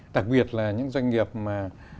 đặc biệt là những doanh nghiệp mà